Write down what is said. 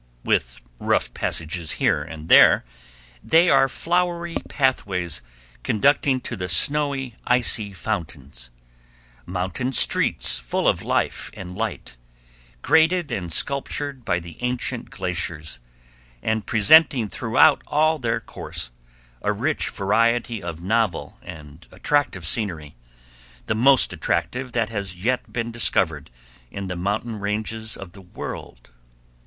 With rough passages here and there they are flowery pathways conducting to the snowy, icy fountains; mountain streets full of life and light, graded and sculptured by the ancient glaciers, and presenting throughout all their course a rich variety of novel and attractive scenery—the most attractive that has yet been discovered in the mountain ranges of the world.